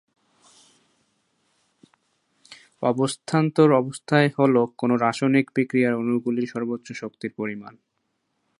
অবস্থান্তর অবস্থায় হল কোন রাসায়নিক বিক্রিয়ার অণুগুলির সর্বোচ্চ শক্তির পরিমাণ।